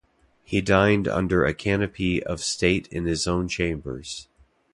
He dined under a canopy of state in his own chambers.